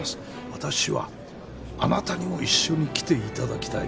私はあなたにも一緒に来て頂きたいのです。